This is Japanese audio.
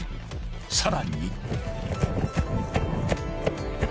［さらに！］